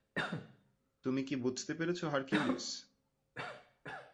তুমি কি বুঝতে পেরেছ, হারকিউলিস?